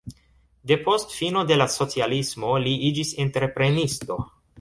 Depost fino de la socialismo li iĝis entreprenisto.